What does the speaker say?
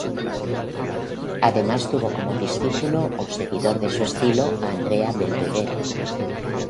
Además tuvo como discípulo o seguidor de su estilo a Andrea Belvedere.